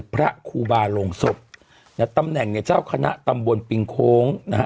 พระคูบาโรงสมตำนังเนี้ยเจ้าคณะตำบนปิงโค้งนะฮะ